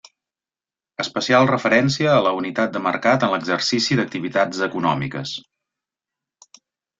Especial referencia a la unitat de mercat en l'exercici d'activitats econòmiques.